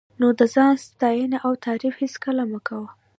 نو د ځان ستاینه او تعریف هېڅکله مه کوه.